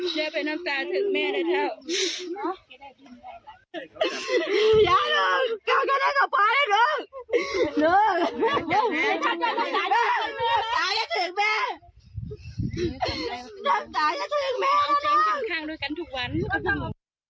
น้ำตาจะถึงแม่ก็ลง